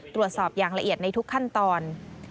ตรวจสอบอย่างละเอียดในทุกขั้นตอน